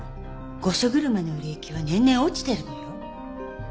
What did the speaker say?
御所車の売れ行きは年々落ちてるのよ。